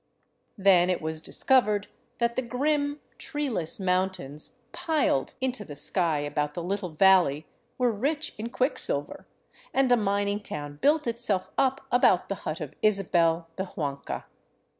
Then it was discovered that the grim, treeless mountains piled into the sky about the little valley were rich in quicksilver, and a mining town built itself up about the hut of Isabel, the Huanca.